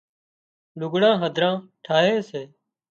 لُگھڙان هڌران ٺاهي سي